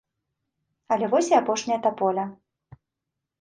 Але вось і апошняя таполя.